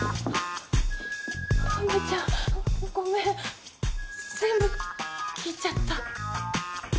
梅ちゃんごめん全部聞いちゃった。